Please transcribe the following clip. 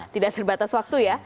tidak terbatas waktu ya